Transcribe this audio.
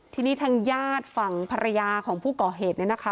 ทีนี้ทางญาติฝั่งภรรยาของผู้ก่อเหตุเนี่ยนะคะ